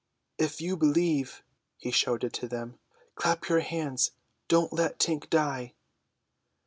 "If you believe," he shouted to them, "clap your hands; don't let Tink die."